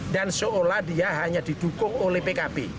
dan seolah dia hanya didukung